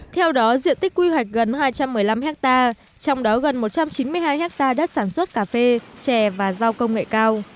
theo đó diện tích quy hoạch gần hai trăm một mươi năm ha trong đó gần một trăm chín mươi hai ha đất sản xuất cà phê chè và giao công nghệ cao